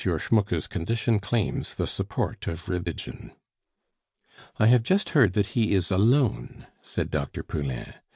Schmucke's condition claims the support of religion." "I have just heard that he is alone," said Dr. Poulain.